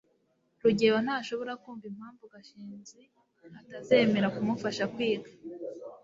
rugeyo ntashobora kumva impamvu gashinzi atazemera kumufasha kwiga